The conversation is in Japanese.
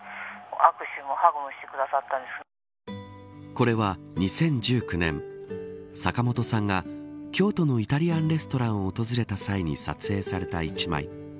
これは、２０１９年坂本さんが京都のイタリアンレストランを訪れた際に撮影された一枚。